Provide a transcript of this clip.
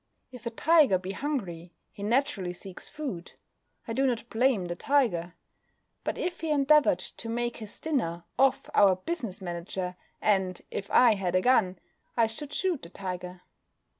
If a tiger be hungry he naturally seeks food. I do not blame the tiger; but if he endeavoured to make his dinner off our business manager, and if I had a gun, I should shoot the tiger.